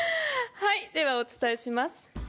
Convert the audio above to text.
ではお伝えします。